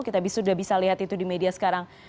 kita sudah bisa lihat itu di media sekarang